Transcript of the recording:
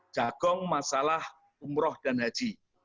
jagong masalah umroh dan haji